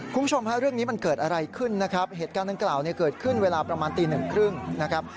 คุณผู้ชมฮะเรื่องนี้มันเกิดอะไรขึ้นนะครับเหตุการณ์ดังกล่าวเนี่ยเกิดขึ้นเวลาประมาณตีหนึ่งครึ่งนะครับ